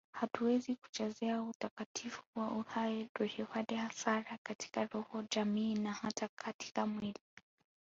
Hatuwezi kuchezea utakatifu wa uhai tusipate hasara katika roho jamii na hata katika mwili